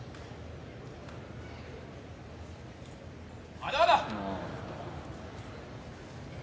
まだまだ。